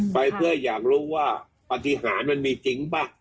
ไปเพื่ออยากรู้ว่าปฏิหารมันมีจริงป่ะ